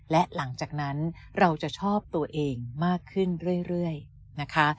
และหลังจากนั้นเราจะชอบตัวเองมากขึ้นเรื่อยนะคะ